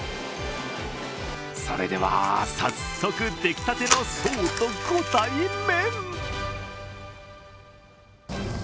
それでは早速、出来たての爽とご対面。